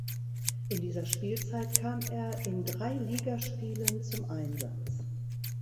In dieser Spielzeit kam er in drei Ligaspielen zum Einsatz.